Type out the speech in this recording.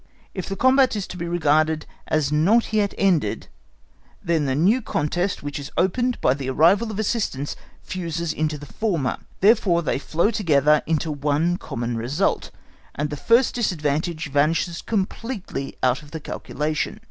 If the combat is to be regarded as not yet ended, then the new contest which is opened by the arrival of assistance fuses into the former; therefore they flow together into one common result, and the first disadvantage vanishes completely out of the calculation.